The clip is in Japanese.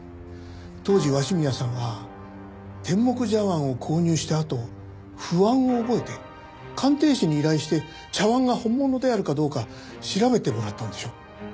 当時鷲宮さんは天目茶碗を購入したあと不安を覚えて鑑定士に依頼して茶碗が本物であるかどうか調べてもらったのでしょう。